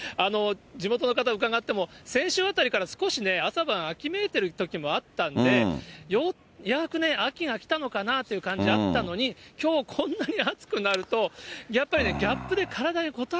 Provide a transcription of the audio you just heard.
地元の方、伺っても、先週あたりから少しね、朝晩は秋めいてるときもあったんで、ようやくね、秋が来たのかなという感じあったのに、きょう、こんなに暑くなると、やっぱり、いや、そうですよ。